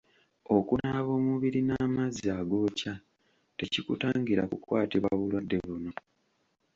Okunaaba omubiri n’amazzi agookya tekikutangira kukwatibwa bulwadde buno.